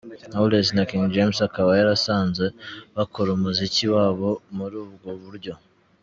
Knowless na King James akaba yarasanze bakora umuziki wabo muri ubwo buryo.